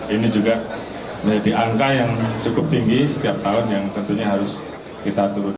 ini juga menjadi angka yang cukup tinggi setiap tahun yang tentunya harus kita turunkan